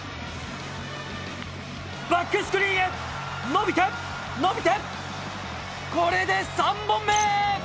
バックスクリーンへ、伸びて、伸びて、これで３本目。